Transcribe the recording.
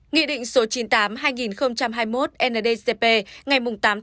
nghị định số chín mươi tám hai nghìn hai mươi một ndcp ngày tám một mươi một